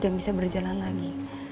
dan bisa berjalan lagi